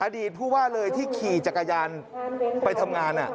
อดีตผู้ว่าเลยที่ขี่จักรยานไปทำงาน